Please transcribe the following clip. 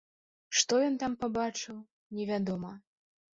Што ён там пабачыў, невядома.